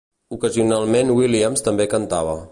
Ocasionalment Williams també cantava.